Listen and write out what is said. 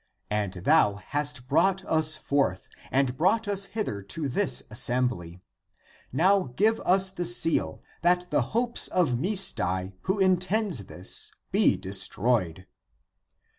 And thou hast brought us forth and brought us hither to this assembly. Now give us the seal that the hopes of Misdai, who intends this, be destroyed."